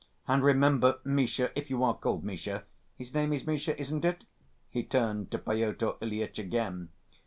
And remember, Misha, if you are called Misha—His name is Misha, isn't it?" He turned to Pyotr Ilyitch again.